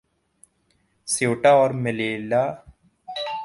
Ceuta اور Melilla